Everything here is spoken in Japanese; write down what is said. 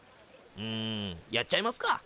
んやっちゃいますか！